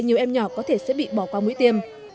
nhiều em nhỏ có thể sẽ bị bỏ qua mũi tiêm